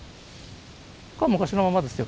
これは昔のままですよ。